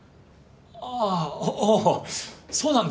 ああああそうなんだ。